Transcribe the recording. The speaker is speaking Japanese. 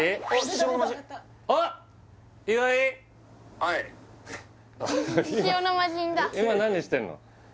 ☎はい今何してんの？